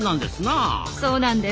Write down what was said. そうなんです。